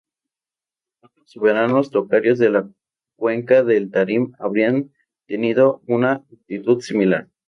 Otros soberanos tocarios de la Cuenca del Tarim habrían tenido una actitud similar.